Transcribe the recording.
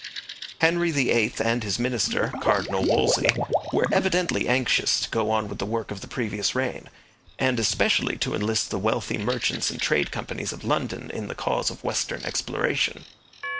Henry VIII and his minister, Cardinal Wolsey, were evidently anxious to go on with the work of the previous reign, and especially to enlist the wealthy merchants and trade companies of London in the cause of western exploration.